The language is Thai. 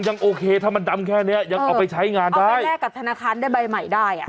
ยังโอเคถ้ามันดำแค่เนี้ยยังเอาไปใช้งานได้แลกกับธนาคารได้ใบใหม่ได้อ่ะ